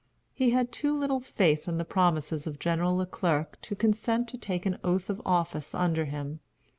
He had too little faith in the promises of General Le Clerc to consent to take an oath of office under him.